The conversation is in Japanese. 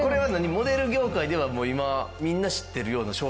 モデル業界ではもう今みんな知ってるような商品なの？